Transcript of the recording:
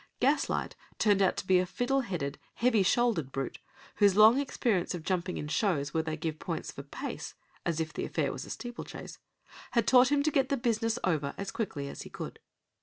Gaslight turned out to be a fiddle headed, heavy shouldered brute, whose long experience of jumping in shows where they give points for pace as if the affair was a steeplechase had taught him to get the business over as quickly as he could.